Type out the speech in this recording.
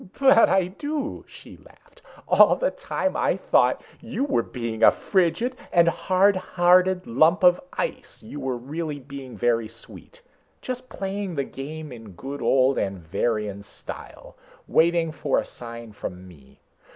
"But I do!" She laughed. "All the time I thought you were being a frigid and hard hearted lump of ice, you were really being very sweet. Just playing the game in good old Anvharian style. Waiting for a sign from me.